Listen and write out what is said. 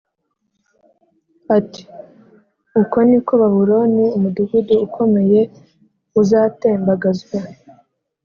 ati “Uko ni ko Babuloni umudugudu ukomeye uzatembagazwa,